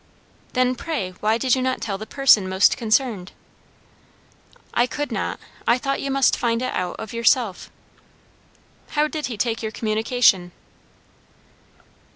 "Then, pray, why did you not tell the person most concerned?" "I could not. I thought you must find it out of yourself." "How did he take your communication?"